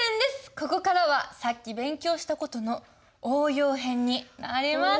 ここからはさっき勉強した事の応用編になります。